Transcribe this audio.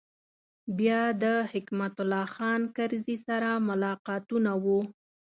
بیا د حکمت الله خان کرزي سره ملاقاتونه و.